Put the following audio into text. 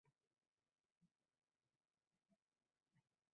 Va bilasizmi, u hatto kulishni va hazillashishni boshladi